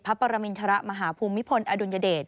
พระประมินทรมาหาภูมิพลอดุญเดช